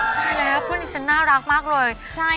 ใช่แล้วเพื่อนที่ฉันน่ารักมากเลย